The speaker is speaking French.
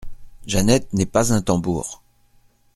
Jeannette n’est pas un tambour.